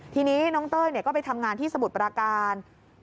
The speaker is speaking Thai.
ทีนี้น้องเต้ยก็ไปทำงานที่สมุทรปราการ